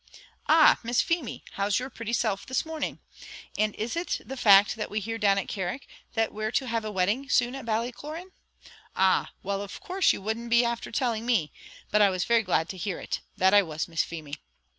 "Ah! Miss Feemy, and how's your pretty self this morning? and is it the fact what we hear down at Carrick, that we are to have a wedding soon at Ballycloran? Ah! well, of course you wouldn't be after telling me, but I was very glad to hear it; that I was, Miss Feemy.